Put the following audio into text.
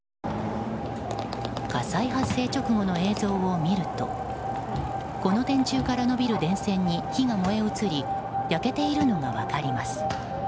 火災発生直後の映像を見るとこの電柱から伸びる電線に火が燃え移り焼けているのが分かります。